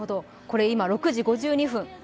今６時５２分。